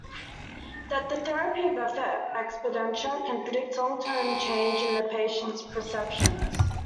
That the therapy of effort expenditure can predict long-term change in the patient's perceptions.